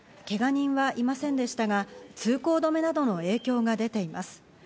けが人はいませんでしたが、通行止めなどの影響が出ています。